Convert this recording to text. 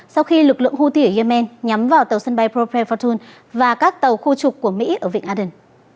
sau khi lực lượng houthi ở yemen nhắm vào tàu sân bay propel fortune và các tàu khu trục của mỹ ở vịnh aden